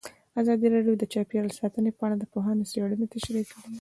ازادي راډیو د چاپیریال ساتنه په اړه د پوهانو څېړنې تشریح کړې.